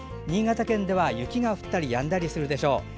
新潟県では雪が降ったりやんだりするでしょう。